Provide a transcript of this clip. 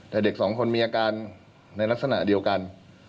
แต่เด็กสองคนมีอาการในลักษณะเดียวกัน